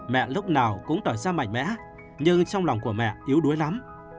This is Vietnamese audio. mẹ lúc nào cũng tỏ ra mạnh mẽ nhưng trong lòng của mẹ yếu đuối lắm